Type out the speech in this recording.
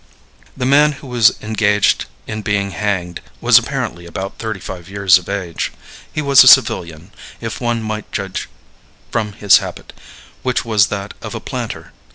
The man who was engaged in being hanged was apparently about thirty five years of age. He was a civilian, if one might judge from his habit, which was that of a planter.